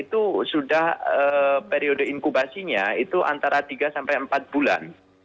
itu sudah periode inkubasinya itu antara tiga sampai empat bulan